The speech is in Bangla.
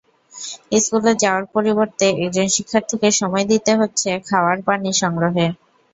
স্কুলে যাওয়ার পরিবর্তে একজন শিক্ষার্থীকে সময় দিতে হচ্ছে খাওয়ার পানি সংগ্রহে।